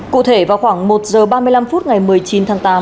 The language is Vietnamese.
cụ thể vào khoảng một giờ ba mươi năm phút ngày một mươi chín tháng tám